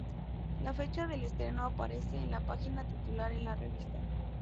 La fecha del estreno aparece en la página titular en la revista.